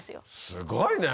すごいね！